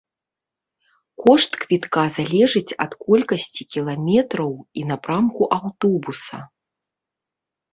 Кошт квітка залежыць ад колькасці кіламетраў і напрамку аўтобуса.